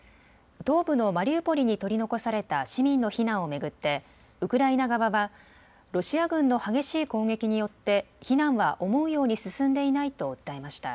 東部のマリウポリに取り残された市民の避難を巡ってウクライナ側はロシア軍の激しい攻撃によって避難は思うように進んでいないと訴えました。